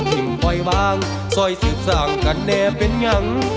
เธอไม่รู้ว่าเธอไม่รู้